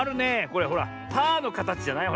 これほらパーのかたちじゃない？